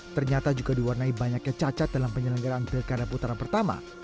ternyata juga diwarnai banyaknya cacat dalam penyelenggaraan pilkada putaran pertama